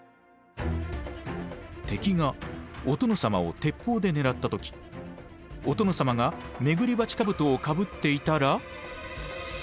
敵がお殿様を鉄砲で狙った時お殿様が廻り鉢兜をかぶっていたら。